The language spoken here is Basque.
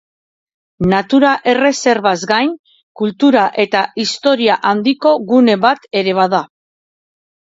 Natura-erreserbaz gain, kultura eta historia handiko gune bat ere bada.